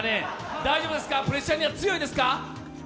大丈夫ですかプレッシャーには強いですか？